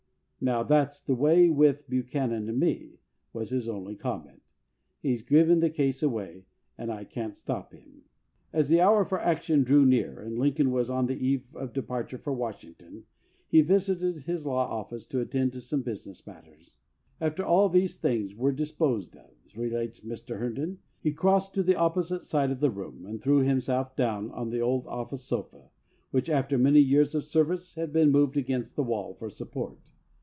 "Now, that 's the way with Bu chanan and me, " was his only comment. '' He 's giving the case away and I can't stop him." As the hour for action drew near and Lincoln was on the eve of departure for Washington, he visited his law office to attend to some business matters. "After all these things were disposed of," relates Mr. Herndon, "he crossed to the opposite side of the room and threw himself down on the old office sofa, which after many years of service had been moved against the wall for support.